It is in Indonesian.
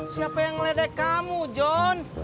siapa yang meledek kamu john